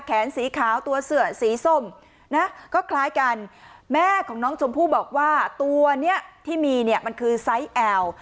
แขนสีขาวตัวเสือสีส้มนะก็คล้ายกันแม่ของน้องชมพู่บอกว่าตัวเนี้ยที่มีเนี่ยมันคือไซส์แอล